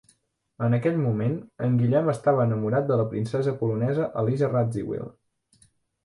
En aquell moment, en Guillem estava enamorat de la princesa polonesa Elisa Radziwill.